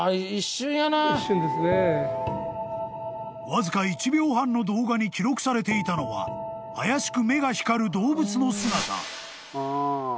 ［わずか１秒半の動画に記録されていたのは怪しく目が光る動物の姿］